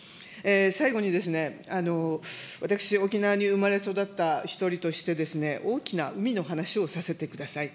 最後に、私、沖縄に生まれ育った１人としてですね、大きな海の話をさせてください。